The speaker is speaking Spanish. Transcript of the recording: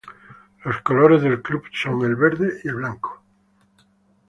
Los colores del club son el verde y el blanco.